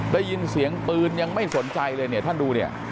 ได้ยินเสียงปืนยังไม่สนใจเลยเนี่ยท่านดูเนี่ย